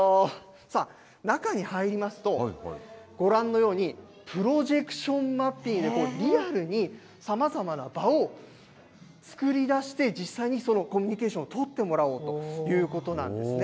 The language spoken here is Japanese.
さあ、中に入りますと、ご覧のように、プロジェクションマッピングで、リアルにさまざまな場を作りだして、実際にコミュニケーションを取ってもらおうということなんですね。